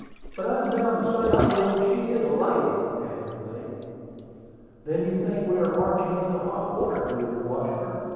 But I am bound to say I believe she is a lady," added the mate. "Then you think we are marching into hot water, do you, Washburn?"